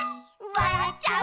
「わらっちゃう」